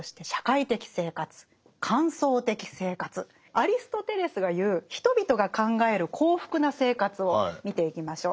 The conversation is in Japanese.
アリストテレスが言う人々が考える幸福な生活を見ていきましょう。